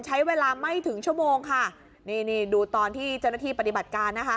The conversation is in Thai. ใช้เวลาไม่ถึงชั่วโมงค่ะนี่นี่ดูตอนที่เจ้าหน้าที่ปฏิบัติการนะคะ